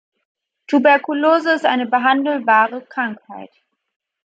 Tuberkulose ist eine behandelbare Krankheit.